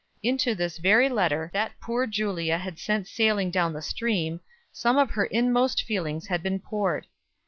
Into this very letter that poor Julia had sent sailing down the stream, some of her inmost feelings had been poured.